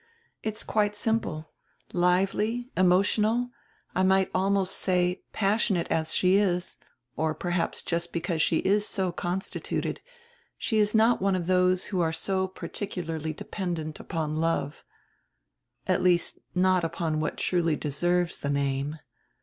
"It's quite simple. Lively, emotional, I might almost say, passionate as she is, or perhaps just because she is so constituted, she is not one of those who are so particularly dependent upon love, at least not upon what truly deserves the name.